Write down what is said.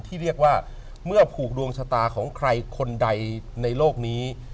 ที่เรียกว่าเมื่อผูกดวงชะตาของใครคนใดในโลกนี้